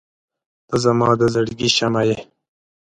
• ته زما د زړګي شمعه یې.